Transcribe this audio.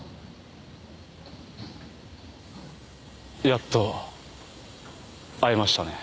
やっと会えましたね。